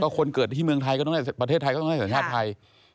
คนเกิดที่เมืองไทยประเทศไทยก็ต้องได้สัญชาติไทย